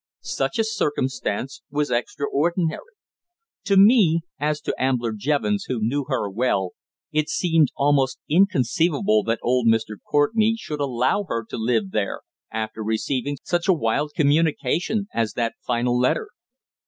Such a circumstance was extraordinary. To me, as to Ambler Jevons who knew her well, it seemed almost inconceivable that old Mr. Courtenay should allow her to live there after receiving such a wild communication as that final letter.